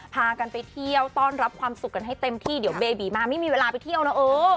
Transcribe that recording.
พากันไปเที่ยวต้อนรับความสุขกันให้เต็มที่เดี๋ยวเบบีมาไม่มีเวลาไปเที่ยวนะเออ